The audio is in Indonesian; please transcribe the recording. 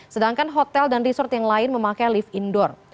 sedangkan hotel dan resort yang lain memakai lift indoor